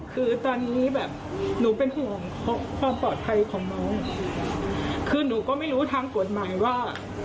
คือตอนนี้แบบหนูเป็นห่วงความปลอดภัยของน้องคือหนูก็ไม่รู้ทางกฎหมายว่า